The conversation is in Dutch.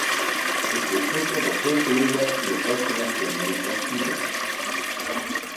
Ik weet zeker dat veel collega's u het beste wensen met uw pensionering.